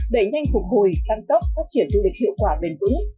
đẩy nhanh phục hồi tăng tốc phát triển du lịch hiệu quả bền vững